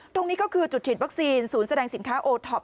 ตรงนี้ก็คือจุดฉีดวัคซีนศูนย์แสดงสินค้าโอท็อป